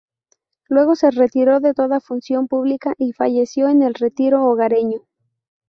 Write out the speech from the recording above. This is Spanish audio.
Luego se retiró de toda función pública y falleció en el retiro hogareño.